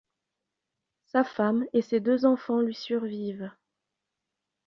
Sa femme et ses deux enfants lui survivent.